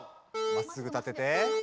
まっすぐ立てて。